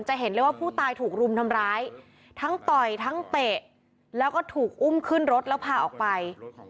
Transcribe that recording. เห็นเลยว่าผู้ตายถูกรุมทำร้ายทั้งต่อยทั้งเตะแล้วก็ถูกอุ้มขึ้นรถแล้วพาออกไป